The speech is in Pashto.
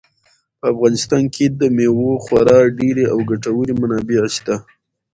په افغانستان کې د مېوو خورا ډېرې او ګټورې منابع شته.